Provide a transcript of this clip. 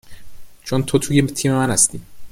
چون تو توی تیم من هستی